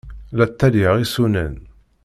La ttalyeɣ isunan.